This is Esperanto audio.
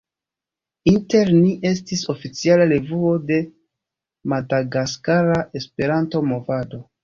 Inter Ni estis oficiala revuo de madagaskara Esperanto-movado.